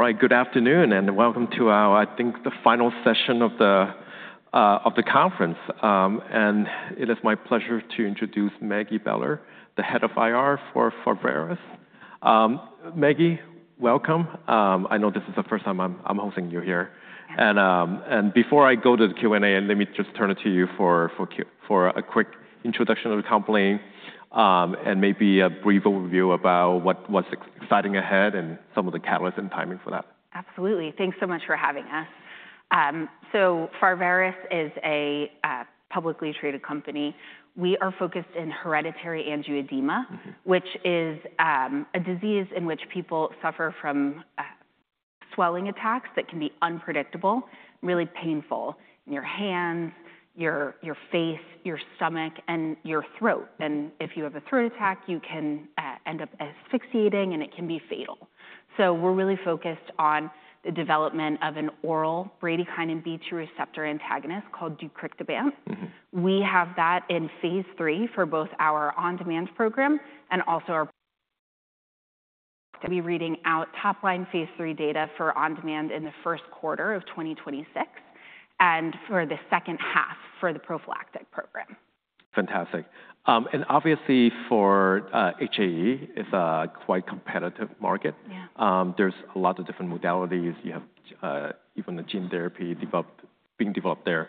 All right, good afternoon and welcome to our, I think the final session of the conference. It is my pleasure to introduce Maggie Beller, the Head of IR for Pharvaris. Maggie, welcome. I know this is the first time I'm hosting you here and before I go to the Q and A, let me just turn it to you for a quick introduction of the company and maybe a brief overview about what is ahead and some of the catalysts and timing for that. Absolutely. Thanks so much for having us. So far, Pharvaris is a publicly traded company. We are focused in hereditary angioedema, which is a disease in which people suffer from swelling attacks that can be unpredictable, really painful in your hands, your face, your stomach and your throat. If you have a throat attack, you can end up asphyxiating and it can be fatal. We are really focused on the development of an oral bradykinin B2 receptor antagonist called Deucrictibant. We have that in Phase 3 for both our on-demand program and also our prophylactic program. We are reading out top-line Phase 3 data for on-demand in the first quarter of 2026 and for the second half for the prophylactic program. Fantastic. Obviously for HAE, it's a quite competitive market. There's a lot of different mod. You have even the gene therapy being developed there.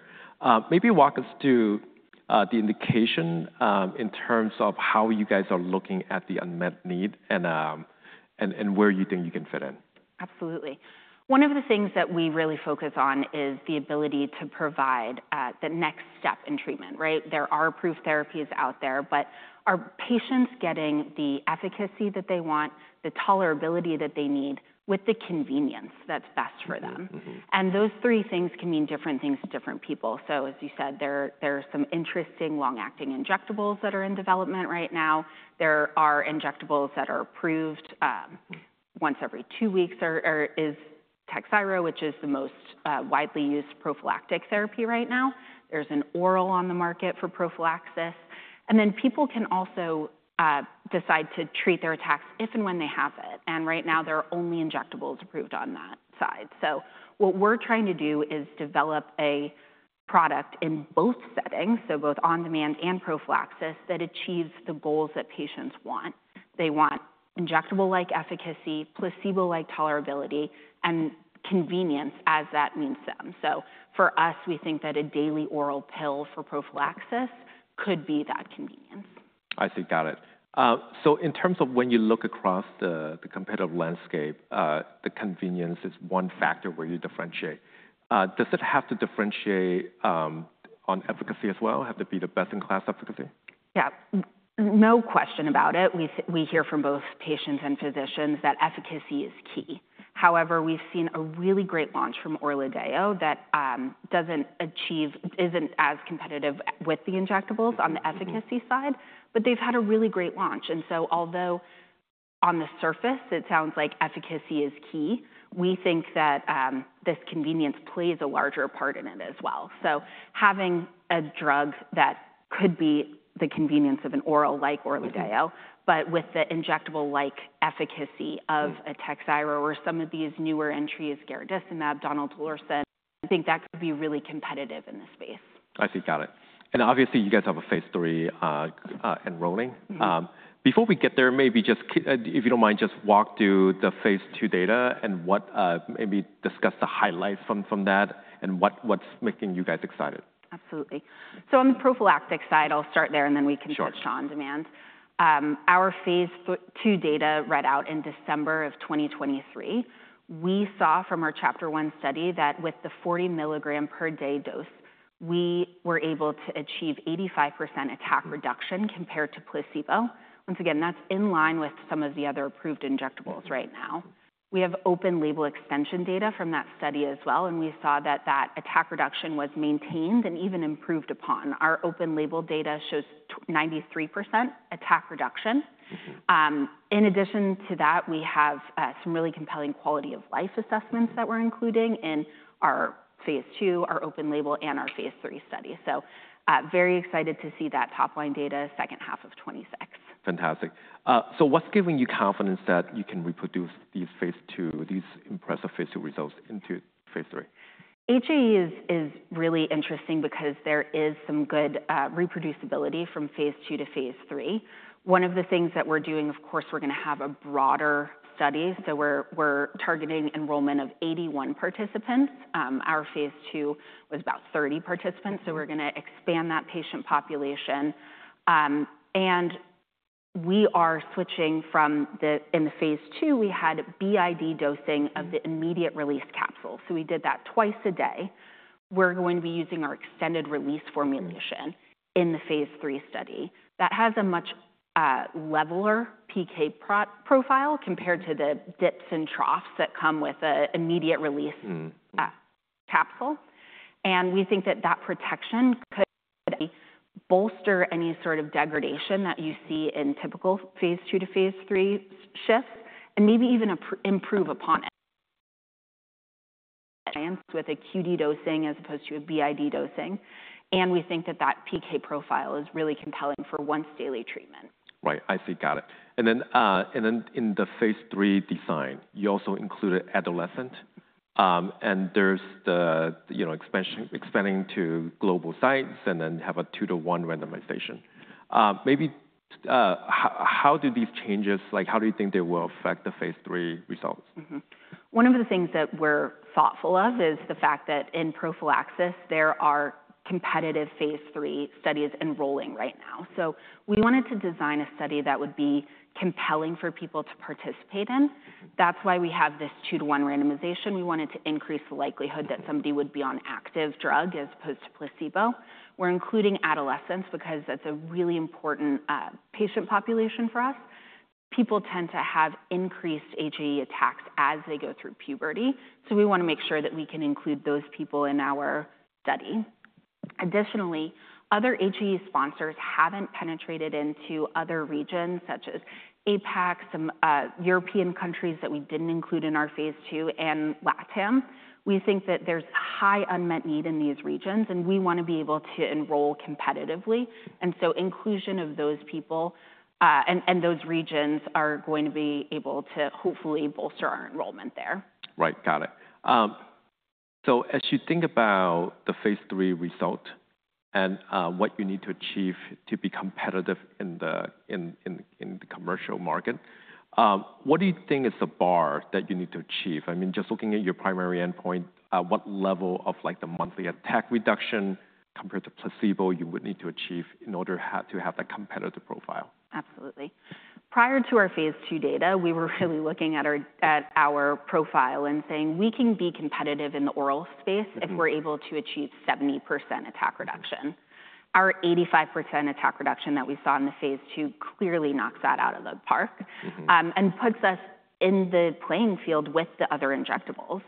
Maybe walk us through the indication in terms of how you guys are looking at the unmet need and where you think you can fit in. Absolutely. One of the things that we really focus on is the ability to provide the next step in treatment. Right. There are approved therapies out there. But are patients getting the efficacy that they want, the tolerability that they need with the convenience that's best for them? Those three things can mean different things to different people. As you said, there are some interesting long-acting injectables that are in development right now. There are injectables that are approved once every two weeks. TAKHZYRO is the most widely used prophylactic therapy. Right now there's an oral on the market for prophylaxis. People can also decide to treat their attacks if and when they have it. Right now there are only injectables approved on that side. What we're trying to do is develop a product in both settings. Both on demand and prophylaxis that achieves the goals that patients want. They want injectable-like efficacy, placebo-like tolerability, and convenience as that means to them. For us, we think that a daily oral pill for prophylaxis could be that convenience. I see. Got it. In terms of when you look across the competitive landscape, the convenience is one factor where you differentiate. Does it have to differentiate on efficacy as well? Have to be the best in class efficacy? Yeah, no question about it. We hear from both patients and physicians that efficacy is key. However, we've seen a really great launch from Orladeyo that isn't as competitive with the injectables on the efficacy side, but they've had a really great launch. Although on the surface it sounds like efficacy is key, we think that this convenience plays a larger part in it as well. Having a drug that could be the convenience of an oral like Orladeyo, but with the injectable-like efficacy of a TAKHZYRO or some of these newer entries, Garadacimab, donidalorsen, I think that could be really competitive in this space. I see. Got it. Obviously you guys have a Phase 3 enrolling before we get there. Maybe just, if you do not mind, just walk through the Phase 2 data and maybe discuss the highlights from that and what is making you guys excited. Absolutely. On the prophylactic side, I'll start there and then we can touch on demand. Our Phase 2 data readout, in December of 2023, we saw from our CHAPTER-3 study that with the 40 mg per day dose we were able to achieve 85% attack reduction compared to placebo. Once again, that's in line with some of the other approved injectables. Right now we have open-label extension data from that study as well, and we saw that that attack reduction was maintained and even improved upon. Our open-label data shows 93% attack reduction. In addition to that, we have some really compelling quality of life assessments that we're including in our Phase 2, our open-label, and our phase three study. Very excited to see that top-line data second half of 2026. Fantastic. What's giving you confidence that you can reproduce these Phase 2, these impressive Phase 2 results into Phase 3 HAE? Is really interesting because there is some good reproducibility from Phase 2 to phase three. One of the things that we're doing, of course we're going to have a broader study. We're targeting enrollment of 81 participants. Our Phase 2 was about 30 participants. We're going to expand that patient population and we are switching from in the Phase 2, we had BID dosing of the immediate release capsule. We did that twice a day. We're going to be using our extended release formulation in the Phase 3 study that has a much leveler PK profile compared to the dips and troughs that come with an immediate release capsule. We think that that protection could bolster any sort of degradation that you see in typical Phase 2 to phase three shifts and maybe even improve upon it with a QD dosing as opposed to a BID dosing. We think that that PK profile is really compelling for once daily treatment. Right, I see. Got it. In the Phase 3 design, you also included adolescent and there is the expanding to global sites and then have a two-to-one randomization maybe. How do these changes, like how do you think they will affect the Phase 3 results? One of the things that we're thoughtful of is the fact that in prophylaxis there are competitive Phase 3 studies enrolling right now. We wanted to design a study that would be compelling for people to participate in. That's why we have this two to one randomization. We wanted to increase the likelihood that somebody would be on active drug as opposed to placebo. We're including adolescents because that's a really important patient population for us. People tend to have increased HAE attacks as they go through puberty. We want to make sure that we can include those people in our study. Additionally, other HAE sponsors haven't penetrated into other regions, such as APAC, some European countries that we didn't include in our Phase 2, and LATAM. We think that there's high unmet need in these regions and we want to be able to enroll competitively. Inclusion of those people and those regions are going to be able to hopefully bolster our enrollment there. Right, got it. As you think about the phase three result and what you need to achieve to be competitive in the commercial market, what do you think is the bar that you need to achieve? I mean, just looking at your primary endpoint, what level of like the monthly attack reduction compared to placebo you would need to achieve in order to have that competitive profile? Absolutely. Prior to our Phase 2 data, we were really looking at our profile and saying we can be competitive in the oral space if we're able to achieve 70% attack reduction. Our 85% attack reduction that we saw in the Phase 2 clearly knocks that out of the park and puts us in the playing field with the other injectables.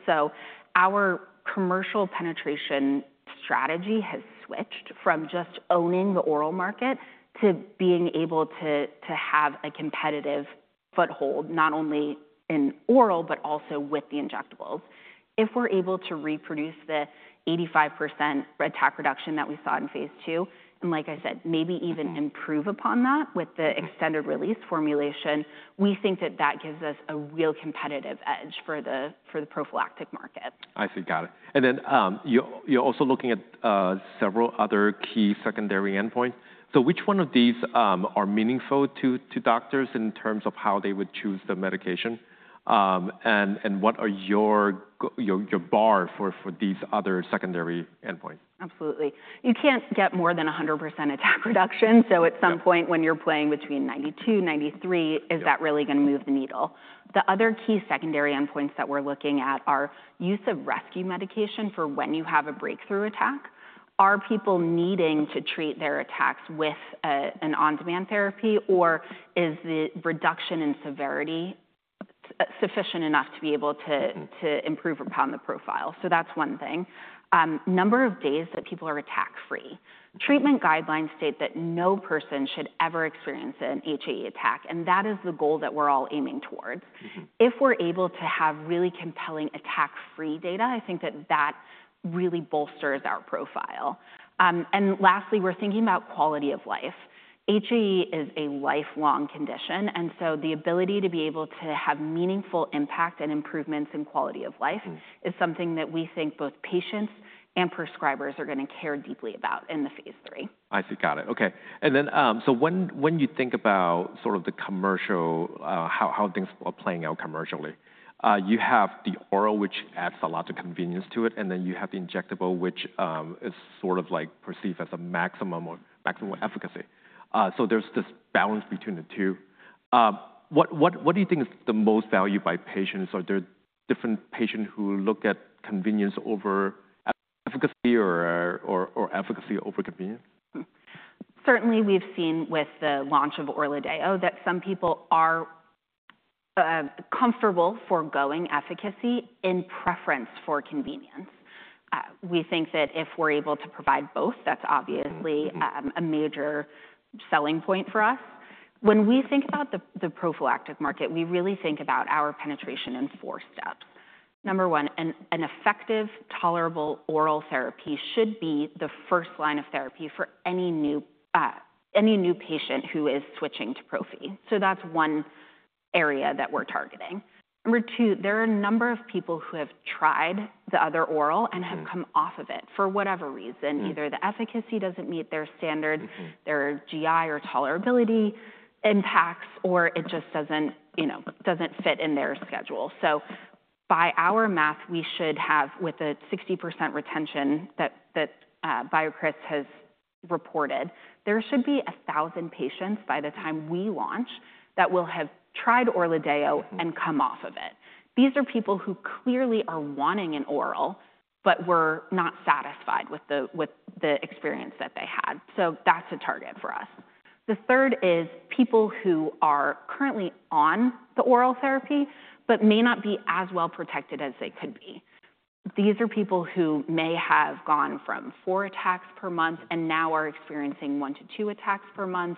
Our commercial penetration strategy has switched from just owning the oral market to being able to have a competitive foothold not only in oral, but also with the injectables if we're able to reproduce the 85% attack reduction that we saw in Phase 2 and like I said, maybe even improve upon that with the extended release formulation, we think that that gives us a real competitive edge for the prophylactic market. I see. Got it. Then you're also looking at several other key secondary endpoints. Which one of these are meaningful to doctors in terms of how they would choose the medication, and what are your bar for these other secondary endpoints? Absolutely. You can't get more than 100% attack reduction. At some point when you're playing between 92%, 93%, is that really gonna move the needle? The other key secondary endpoints that we're looking at are use of rescue medication for when you have a breakthrough attack. Are people needing to treat their attacks with an on-demand therapy or is the reduction in severity sufficient enough to be able to improve upon the profile? That's one thing. Number of days that people are attack free. Treatment guidelines state that no person should ever experience an HAE attack. That is the goal that we're all aiming towards. If we're able to have really compelling attack-free data, I think that really bolsters our profile. Lastly, we're thinking about quality of life. HAE is a lifelong condition and so the ability to be able to have meaningful impact and improvements in quality of life is something that we think both patients and prescribers are going to care deeply about in the Phase 3. I see. Got it. Okay. When you think about sort of the commercial, how things are playing out commercially, you have the oral, which adds a lot of convenience to it, and then you have the injectable, which is sort of like perceived as a maximum or maximum efficacy. There is this balance between the two. What do you think is the most valued by patients? Are there different patients who look at convenience over efficacy or efficacy over convenience? Certainly we've seen with the launch of Orladeyo that some people are comfortable foregoing efficacy in preference for convenience. We think that if we're able to provide both, that's obviously a major selling point for us. When we think about the prophylactic market, we really think about our penetration in four steps. Number one, an effective tolerable oral therapy should be the first line of therapy for any new, any new patient who is switching to profi. So that's one area that we're targeting. Number two, there are a number of people who have tried the other oral and have come off of it for whatever reason, either the efficacy doesn't meet their standards, their GI or tolerability impacts, or it just doesn't, you know, doesn't fit in their schedule. By our math, we should have, with a 60% retention that BioCryst has reported, there should be 1,000 patients by the time we launch that will have tried Orladeyo and come off of it. These are people who clearly are wanting an oral but were not satisfied with the experience that they had. That is a target for us. The third is people who are currently on the oral therapy but may not be as well protected as they could be. These are people who may have gone from four attacks per month and now are experiencing one to two attacks per month.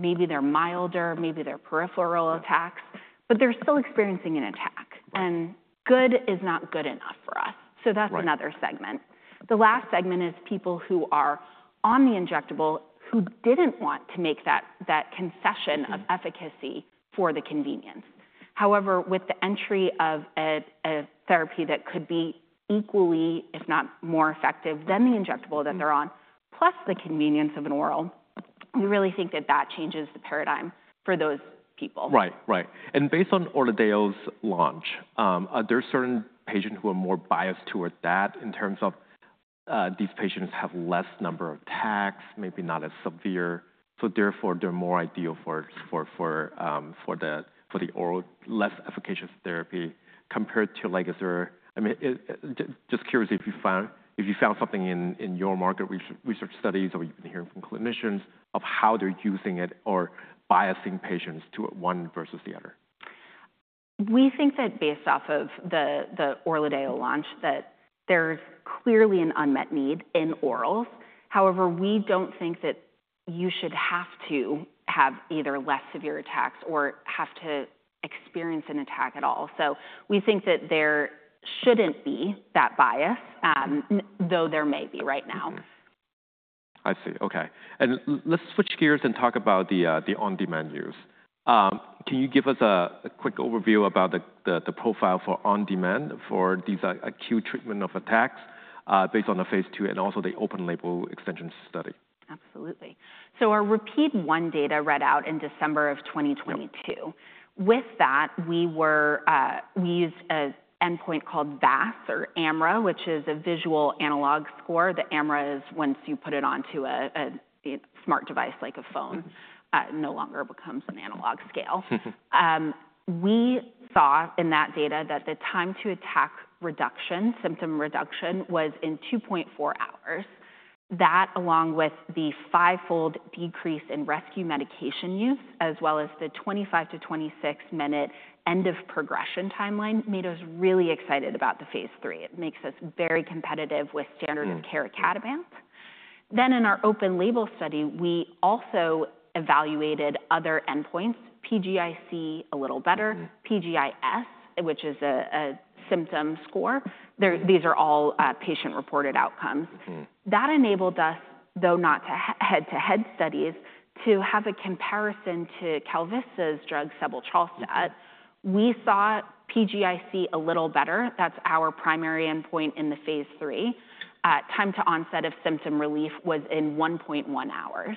Maybe they are milder, maybe they are peripheral attacks, but they are still experiencing an attack. Good is not good enough for us. That is another segment. The last segment is people who are on the injectable who didn't want to make that concession of efficacy for the convenience. However, with the entry of a therapy that could be equally, if not more effective than the injectable that they're on, plus the convenience of an oral, we really think that that changes the paradigm for those people. Right, right. And based on Orladeyo's launch, there are certain patients who are more biased toward that. In terms of these patients have less number of attacks, maybe not as severe. So therefore they're more ideal for the oral, less efficacious therapy compared to like. Is there just curious if you found, if you found something in your market research studies or you've been hearing from clinicians of how they're using it or biasing patients to one versus the other. We think that based off of the Orladeyo launch that there's clearly an unmet need in orals. However, we don't think that you should have to have either less severe attacks or have to experience an attack at all. We think that there shouldn't be that bias, though there may be right now. I see. Okay. Let's switch gears and talk about the on-demand use. Can you give us a quick overview about the profile for on-demand for these acute treatment of attacks based on the Phase 2 and also the open-label extension study? Absolutely. Our RAPIDe-1 data readout in December of 2022. With that, we used an endpoint called VAS or AMRA, which is a visual analog scale. The AMRA is, once you put it onto a smart device like a phone, no longer an analog scale. We saw in that data that the time to attack symptom reduction was in 2.4. That, along with the fivefold decrease in rescue medication use as well as the 25-26 minute end of progression timeline, made us really excited about the Phase 3. It makes us very competitive with standard of care icatibant. In our open-label study, we also evaluated other endpoints, PGIC a little better, PGIS, which is a symptom score. These are all patient-reported outcomes that enabled us, though not head-to-head studies, to have a comparison to KalVista's drug sebetralstat. We saw PGIC a little better. That's our primary endpoint. In the Phase 3, time to onset of symptom relief was in 1.1 hours.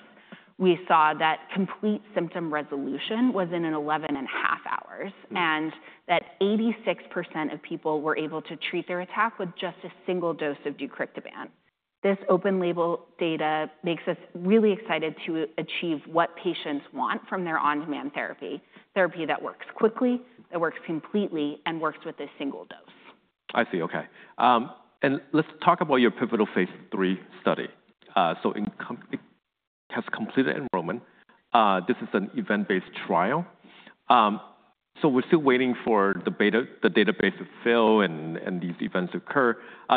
We saw that complete symptom resolution was in an 11 and a half hour and that 86% of people were able to treat their attack with just a single dose of Deucrictibant. This open label data makes us really excited to achieve what patients want from their on-demand therapy. Therapy that works quickly, that works completely and works with a single dose. I see. Okay. Let's talk about your pivotal Phase 3 study. Has it completed enrollment? This is an event-based trial, so we're still waiting for the database to fill and these events to occur.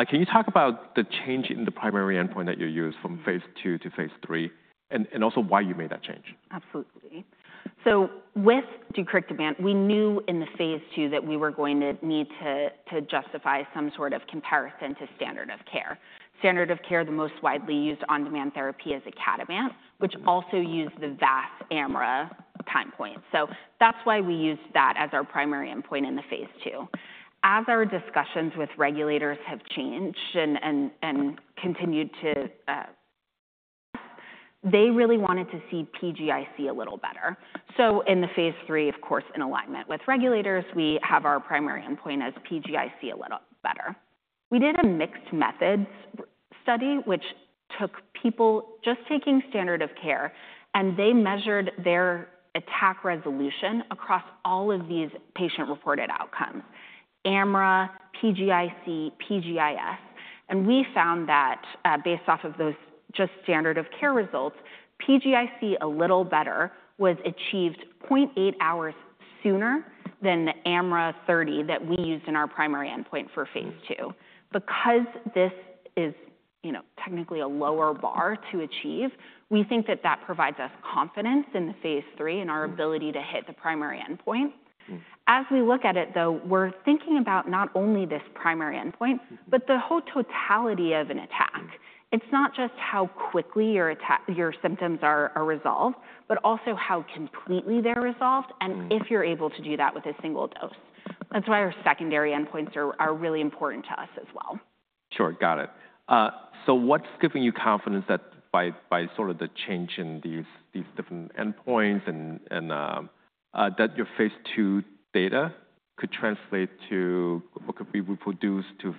Can you talk about the change in the primary endpoint that you used from Phase 2 to Phase 3 and also why you made that change? Absolutely. With Deucrictibant, we knew in the Phase 2 that we were going to need to justify some sort of comparison to standard of care. Standard of care, the most widely used on-demand therapy, is icatibant, which also used the VAS AMRA time point. That is why we used that as our primary endpoint in the Phase 2. As our discussions with regulators have changed and continued, they really wanted to see PGIC a little better. In the Phase 3, of course in alignment with regulators, we have our primary endpoint as PGIC a little better. We did a mixed methods study which took people just taking standard of care and they measured their attack resolution across all of these patient-reported outcomes: AMRA, PGIC, PGIS. We found that based off of those just standard of care results, PGIC a little better was achieved 0.8 hours sooner than the AMRA 30 that we used in our primary endpoint for Phase 2. Because this is technically a lower bar to achieve, we think that that provides us confidence in the phase three and our ability to hit the primary endpoint. As we look at it though, we're thinking about not only this primary endpoint, but the whole totality of an attack. It's not just how quickly your symptoms are resolved, but also how completely they're resolved. If you're able to do that with a single dose, that's why our secondary endpoints are really important to us as well. Sure, got it. What is giving you confidence that by sort of the change in these different endpoints and that your Phase 2 data could translate to what could be reproduced to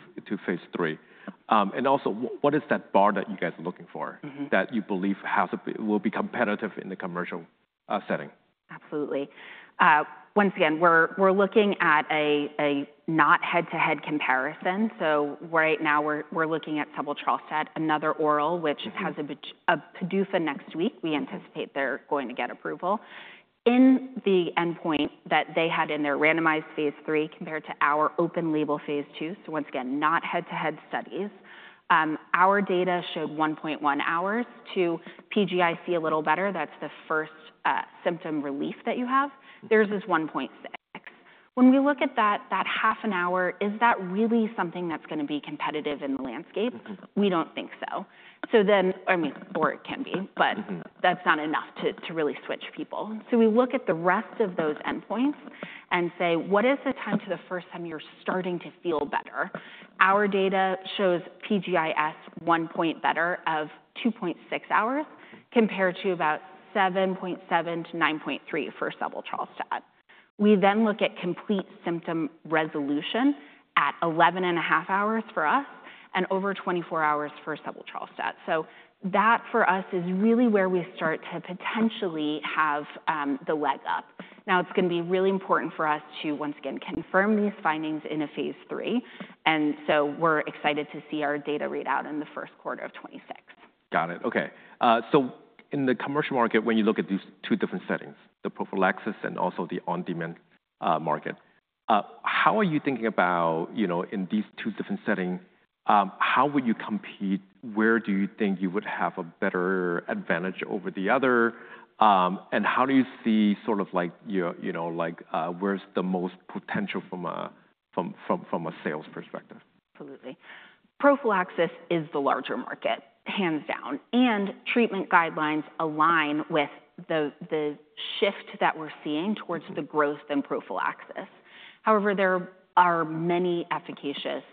Phase 3? Also, what is that bar that you guys are looking for that you believe will be competitive in the commercial setting? Absolutely. Once again we're looking at a not head to head comparison. Right now we're looking at sebetralstat, another oral, which has a PDUFA next week. We anticipate they're going to get approval in the endpoint that they had in their randomized phase three compared to our open label Phase 2. Once again, not head to head studies. Our data showed 1.1 hours to PGIC, a little better. That's the first symptom relief that you have. Theirs is 1.6. When we look at that half an hour, is that really something that's gonna be competitive in the landscape? We don't think so. Or it can be, but that's not enough to really switch people. We look at the rest of those endpoints and say, what is the time to the first time you're starting to feel better? Our data shows PGIS 1 point better of 2.6 hours compared to about 7.7-9.3 for sebetralstat. We then look at complete symptom resolution at 11 and a half hours for us and over 24 hours for sebetralstat. That for us is really where we start to potentially have the leg up. Now it's going to be really important for us to once again confirm these findings in a phase three. We're excited to see our data readout in 1Q 2026. Got it. Okay. In the commercial market, when you look at these two different settings, the prophylaxis and also the on demand market, how are you thinking about, you know, in these two different settings, how would you compete? Where do you think you would have a better advantage over the other? How do you see sort of like your, you know, like where's the most potential from a sales perspective? Absolutely. Prophylaxis is the larger market, hands down. Treatment guidelines align with the shift that we're seeing towards the growth in prophylaxis. However, there are many efficacious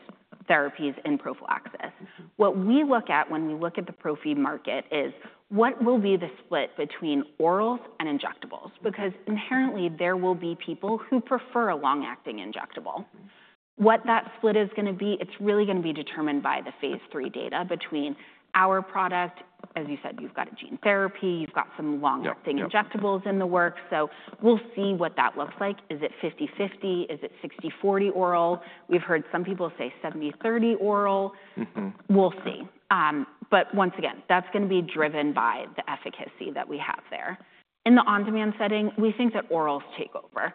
therapies in prophylaxis. What we look at when we look at the prophy market is what will be the split between orals and injectables, because inherently there will be people who prefer a long acting injectable. What that split is going to be, it's really going to be determined by the Phase 3 data between our product. As you said, you've got a gene therapy, you've got some long acting injectables in the work. We will see what that looks like. Is it 50-50, is it 60-40 oral? We've heard some people say 70-30 oral, we will see. Once again, that's going to be driven by the efficacy that we have there in the on demand setting. We think that orals take over.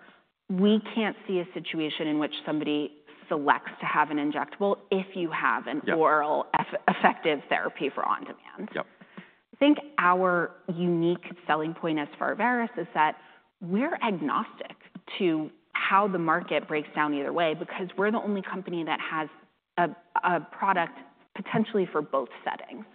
We can't see a situation in which somebody selects to have an injectable if you have an oral effective therapy for on demand. I think our unique selling point as Pharvaris is that we're agnostic to how the market breaks down either way because we're the only company that has a product potentially for both settings.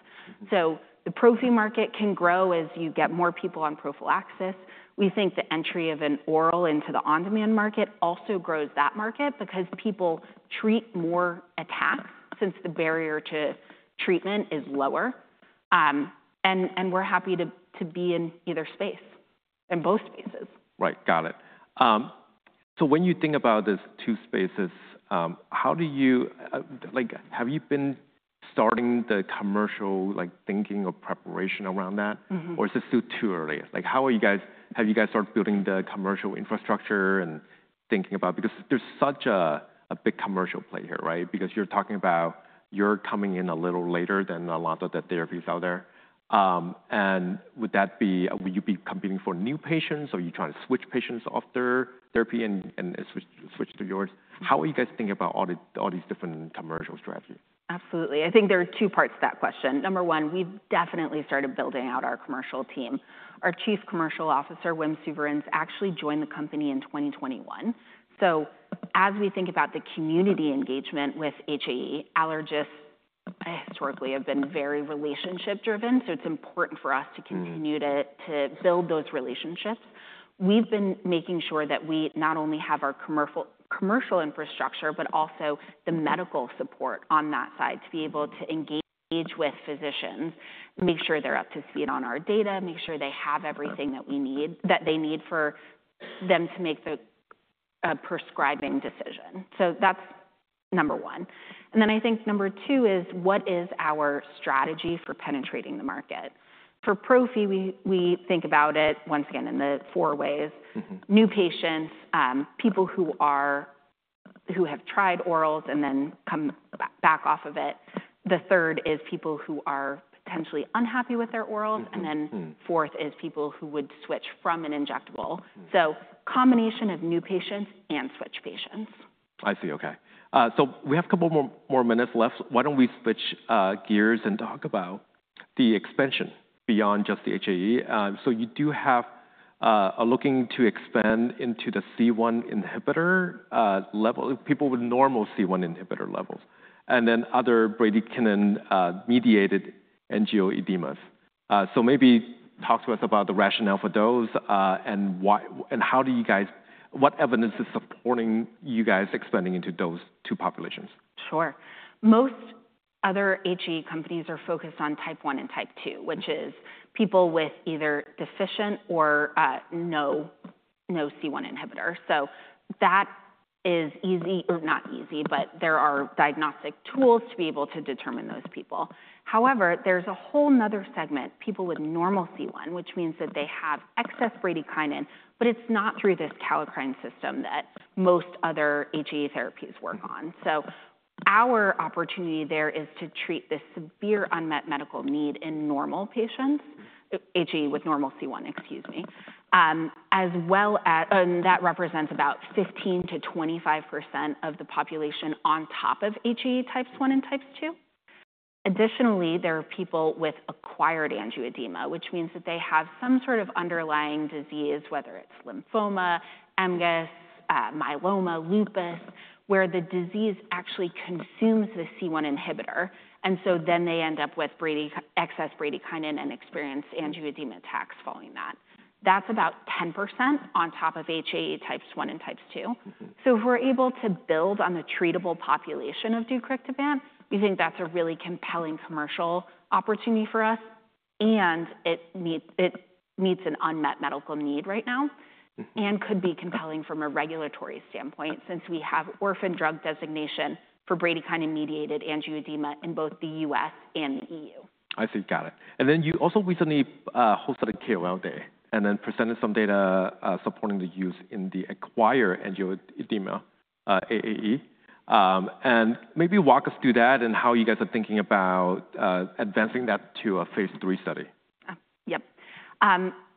The prophy market can grow as you get more people on prophylaxis. We think the entry of an oral into the on demand market also grows that market because people treat more attacks since the barrier to treatment is lower. We're happy to be in either space, in both spaces. Right, got it. So when you think about these two spaces, how do you, like, have you been starting the commercial, like, thinking or preparation around that or is it still too early? Like, how are you guys, have you guys started building the commercial infrastructure and thinking about. Because there's such a big commercial play here, right? Because you're talking about you're coming in a little later than a lot of the therapies out there. Would that be, will you be competing for new patients or are you trying to switch patients off their therapy and switch to yours? How are you guys thinking about all these different commercial strategies? Absolutely. I think there are two parts to that question. Number one, we've definitely started building out our commercial team. Our Chief Commercial Officer, Wim Souverijns, actually joined the company in 2021. As we think about the community engagement with HAE, allergists historically have been very relationship driven. It is important for us to continue to build those relationships. We've been making sure that we not only have our commercial infrastructure, but also the medical support on that side to be able to engage with physicians, make sure they're up to speed on our data, make sure they have everything that we need, that they need for them to make the prescribing decision. That's number one. I think number two is what is our strategy for penetrating the market. For profi we think about it once again in the four ways. New patients, people who have tried orals and then come back off of it. The third is people who are potentially unhappy with their orals. The fourth is people who would switch from an injectable. Combination of new patients and switch patients. I see. Okay, so we have a couple more minutes left. Why don't we switch gears and talk about the expansion beyond just the HAE. You do have a looking to expand into the C1 inhibitor level, people with normal C1 inhibitor levels, and then other bradykinin-mediated angioedemas. Maybe talk to us about the rationale for those and why and how do you guys—what evidence is supporting you guys expanding into those two populations? Sure. Most other HAE companies are focused on type 1 and type 2, which is people with either deficient or no C1 inhibitor. That is easy. Not easy, but there are diagnostic tools to be able to determine those people. However, there is a whole other segment, people with normal C1, which means that they have excess bradykinin. It is not through this kallikrein system that most other HAE therapies work on. Our opportunity there is to treat this severe unmet medical need in normal patients. HAE with normal C1, excuse me, as well. That represents about 15%-25% of the population on top of HAE types 1 and types 2. Additionally, there are people with acquired angioedema, which means that they have some sort of underlying disease, whether it is lymphoma, MGUS, myeloma, lupus, where the disease actually consumes the C1 inhibitor. They end up with excess bradykinin and experience angioedema attacks following that. That's about 10% on top of HAE types one and types two. If we're able to build on the treatable population of Deucrictibant, we think that's a really compelling commercial opportunity for us and it meets an unmet medical need right now and could be compelling from a regulatory standpoint since we have orphan drug designation for bradykinin-mediated angioedema in both the U.S. and the EU. I see. Got it. You also recently hosted a KOL day and then presented some data supporting the use in the acquired angioedema, AAE. Maybe walk us through that and how you guys are thinking about advancing that to a Phase 3 study. Yep.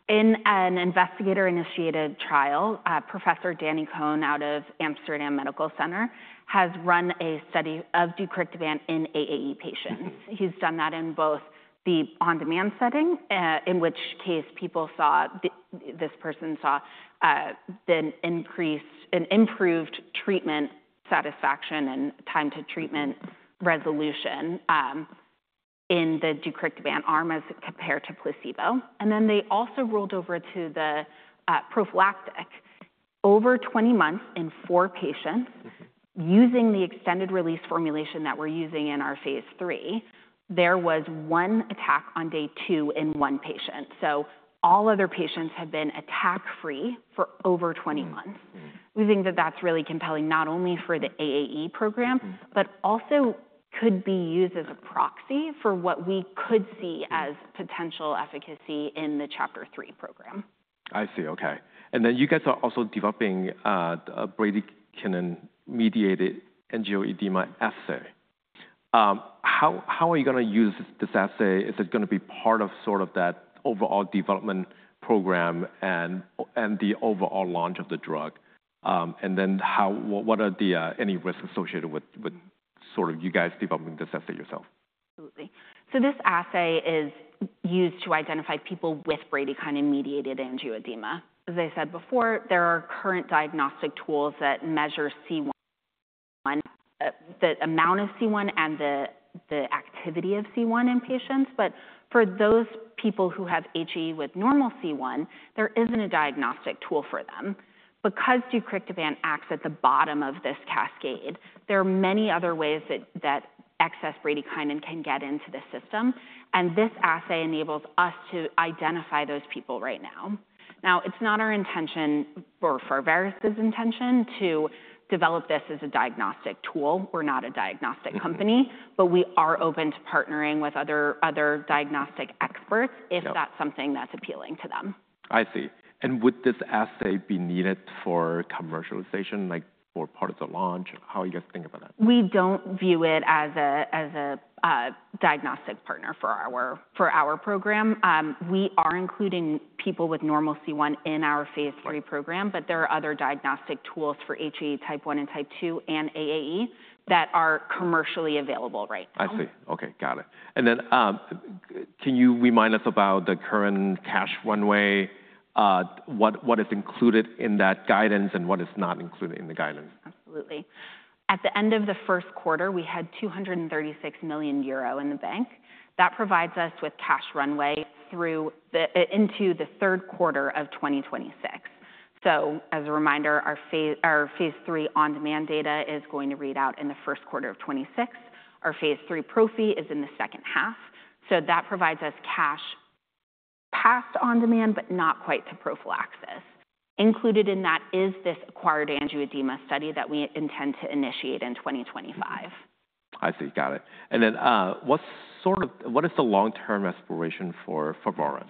In an investigator-initiated trial, Professor Danny Cohn out of Amsterdam Medical Center has run a study of Deucrictibant in AAE patients. He's done that in both the on-demand setting, in which case people saw, this person saw, then increased and improved treatment satisfaction and time to treatment resolution in the Deucrictibant arm as compared to placebo. They also rolled over to the prophylactic over 20 months in four patients using the extended-release formulation that we're using in our Phase 3. There was one attack on day two in one patient. All other patients have been attack free for over 20 months. We think that that's really compelling not only for the AAE program, but also could be used as a proxy for what we could see as potential efficacy in the CHAPTER-3 program. I see. Okay. You guys are also developing a bradykinin-mediated angioedema assay. How are you gonna use this assay? Is it gonna be part of that overall development program and the overall launch of the drug? What are any risks associated with you guys developing this assay yourself? Absolutely. This assay is used to identify people with bradykinin-mediated angioedema. As I said before, there are current diagnostic tools that measure C1, the amount of C1 and the activity of C1 in patients. For those people who have HAE with normal C1, there isn't a diagnostic tool for them because Deucrictibant acts at the bottom of this cascade. There are many other ways that excess bradykinin can get into the system. This assay enables us to identify those people right now. It is not our intention, or Pharvaris's intention, to develop this as a diagnostic tool. We are not a diagnostic company, but we are open to partnering with other diagnostic experts if that's something that's appealing to them. I see. Would this assay be needed for commercialization, like for part of the launch? How are you guys thinking about that? We don't view it as a diagnostic partner for our program. We are including people with normal C1 in our Phase 3 program. There are other diagnostic tools for HAE, type 1 and type 2 and AAE that are commercially available right now. I see. Okay. Got it. Can you remind us about the current cash runway? What is included in that guidance and what is not included in the guidance? Absolutely. At the end of the first quarter we had 236 million euro in the bank that provides us with cash runway through the into the third quarter of 2026. As a reminder our Phase 3 on-demand data is going to read out in first quater 2026. Our Phase 3 profi is in the second half. That provides us cash past on-demand but not quite to prophylaxis. Included in that is this acquired angioedema study that we intend to initiate in 2025. I see, got it. What is the long term aspiration for Pharvaris?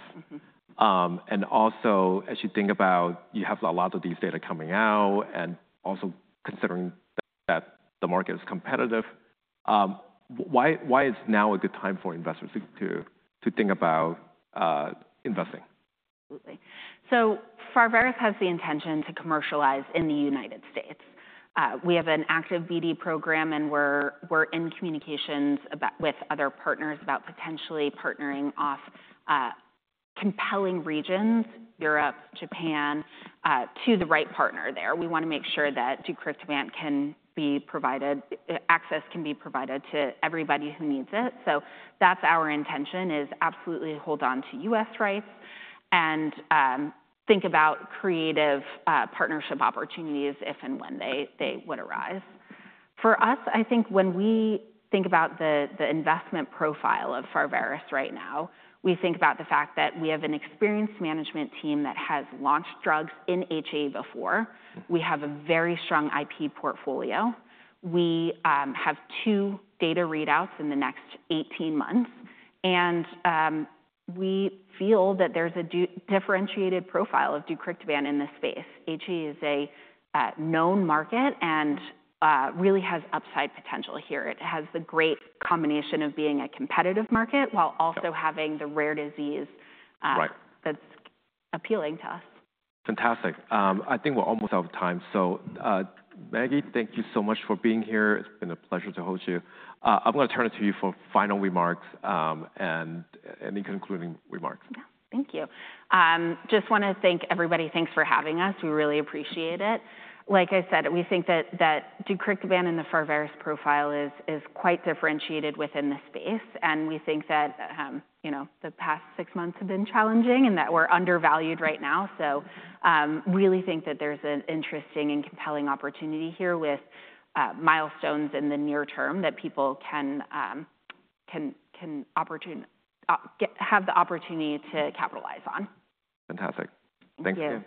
Also, as you think about it, you have a lot of these data coming out and also considering that the market is competitive, why is now a good time for investors to think about investing? Pharvaris has the intention to commercialize in the United States. We have an active BD program and we're in communications with other partners about potentially partnering off compelling regions, Europe, Japan to the right partner there. We want to make sure that Deucrictibant can be provided, access can be provided to everybody who needs it. That's our intention is absolutely hold on to U.S. rights and think about creative partnership opportunities if and when they would arise for us. I think when we think about the investment profile of Pharvaris right now, we think about the fact that we have an experienced management team that has launched drugs in HAE before. We have a very strong IP portfolio. We have two data readouts in the next 18 months and we feel that there's a differentiated profile of Deucrictibant in this space. He is a known market and really has upside potential here. It has the great combination of being a competitive market while also having the rare disease that's appealing to us. Fantastic. I think we're almost out of time. So Maggie, thank you so much for being here. It's been a pleasure to host you. I'm going to turn it to you for final remarks and any concluding remarks. Thank you. Just want to thank everybody. Thanks for having us. We really appreciate it. Like I said, we think that Deucrictibant and the Pharvaris profile is quite differentiated within the space and we think that, you know, the past six months have been challenging and that we're undervalued right now. Really think that there's an interesting and compelling opportunity here with milestones in the near term that people can have the opportunity to capitalize on. Fantastic. Thank you.